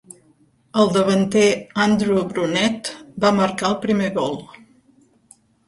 El davanter Andrew Brunette va marcar el primer gol.